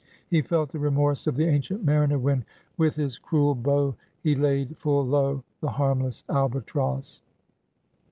He felt the remorse of the Ancient Mariner wheu With his cruel bow he laid full low The harmless Albatross."